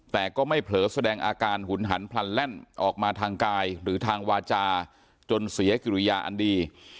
แต่ก็ไม่เผลอแสดงอาการหุนหันพลันแล่นออกมาทางกายหรือทางวาจาจนเสียกิริยาอันดี